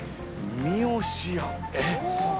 みよしや。